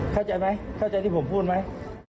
เข้าใจไหมเข้าใจที่ผมพูดไหม